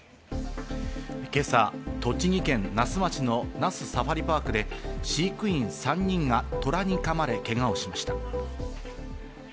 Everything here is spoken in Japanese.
今朝、栃木県那須町の那須サファリパークで飼育員３人がトラにかまれ、けがをしました。